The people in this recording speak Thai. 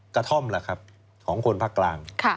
กระท่อมล่ะครับของคนภาคกลาง